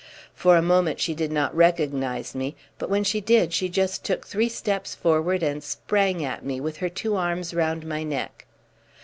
For a moment she did not recognise me, but when she did she just took three steps forward and sprang at me, with her two arms round my neck.